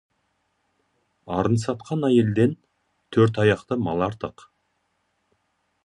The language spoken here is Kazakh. Арын сатқан әйелден төрт аяқты мал артық.